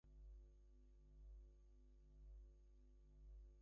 Who commands Kong to retrieve the Element X from the cave.